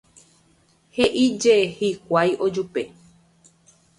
He'íje hikuái ojupe.